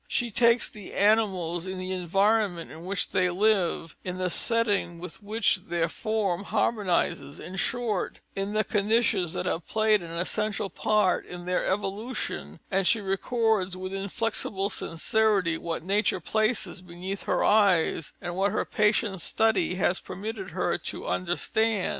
She takes the animals in the environment in which they live, in the setting with which their form harmonizes, in short, in the conditions that have played an essential part in their evolution, and she records with inflexible sincerity what nature places beneath her eyes and what her patient study has permitted her to understand.